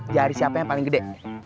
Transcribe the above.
jari siapa yang paling gede